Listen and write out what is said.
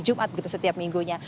jumat begitu setiap minggunya